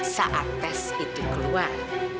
saat tes itu keluar